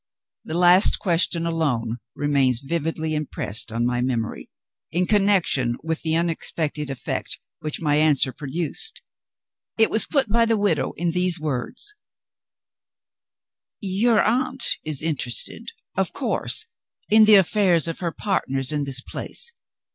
The last question alone remains vividly impressed on my memory, in connection with the unexpected effect which my answer produced. It was put by the widow in these words: "Your aunt is interested, of course, in the affairs of her partners in this place.